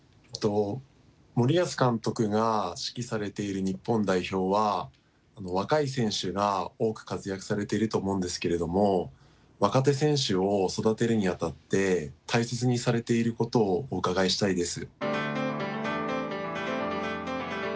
森保監督が指揮されている日本代表は若い選手が多く活躍されていると思うんですけれども若手選手を育てるにあたって大切にされていることをお伺いしたいです。